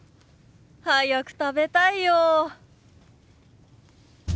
早く食べたいよ。